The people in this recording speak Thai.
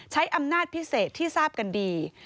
ใช้อำนาจพิเศษที่ทราบกันดี